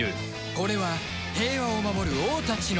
これは平和を守る王たちの物語